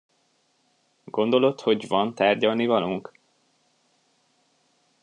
Gondolod, hogy van tárgyalnivalónk?